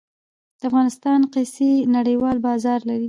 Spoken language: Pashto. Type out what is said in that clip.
د افغانستان قیسی نړیوال بازار لري